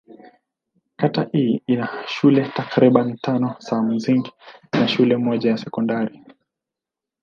Kata hii ina shule takriban tano za msingi na shule moja ya sekondari.